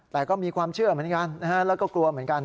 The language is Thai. แต่ก็มีความเชื่อเหมือนกันนะฮะแล้วก็กลัวเหมือนกัน